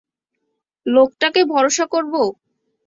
লোকটাকে ভরসা করব?